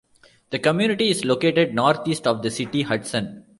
The community is located northeast of the city of Hudson.